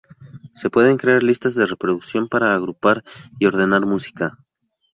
Se pueden crear listas de reproducción para agrupar y ordenar música.